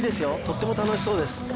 とっても楽しそうです